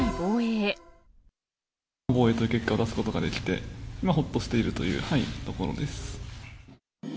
防衛という結果を出すことができて、ほっとしているというところです。